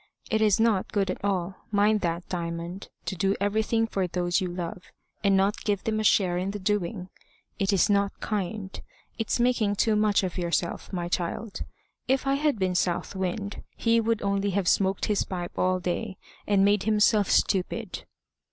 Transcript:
It is not good at all mind that, Diamond to do everything for those you love, and not give them a share in the doing. It's not kind. It's making too much of yourself, my child. If I had been South Wind, he would only have smoked his pipe all day, and made himself stupid."